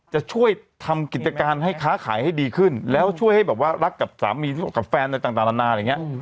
จะช่วยทำกิจการให้ค้าขายให้ดีขึ้นแล้วช่วยให้แบบว่ารักกับสามีกับแฟนอะไรต่างนานาอะไรอย่างนี้